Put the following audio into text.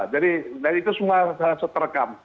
jadi itu semua seterekam